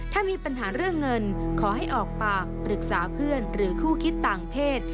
ถ้ามีปัญหาเรื่องเงินขอให้ออกปากปรึกษาเพื่อนหรือคู่คิดต่างเพศ